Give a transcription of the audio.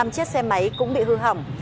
năm chiếc xe máy cũng bị hư hỏng